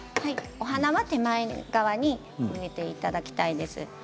お花は手前側に植えていただきたいです。